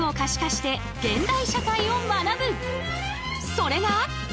それが。